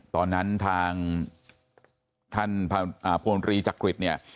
ตอนนั้นทางท่านพลตรีจักริตเนี่ย